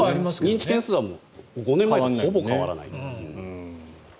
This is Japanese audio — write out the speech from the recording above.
認知件数は５年前とほぼ変わらない。